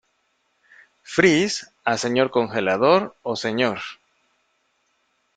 Freeze" a "Sr. Congelador" o "Sr.